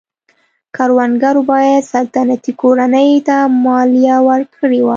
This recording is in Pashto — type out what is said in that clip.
کروندګرو باید سلطنتي کورنۍ ته مالیه ورکړې وای.